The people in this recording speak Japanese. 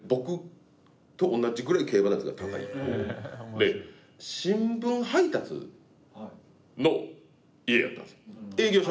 で新聞配達の家やったんですよ。営業所。